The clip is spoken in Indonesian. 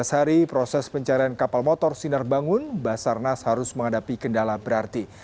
empat belas hari proses pencarian kapal motor sinar bangun basarnas harus menghadapi kendala berarti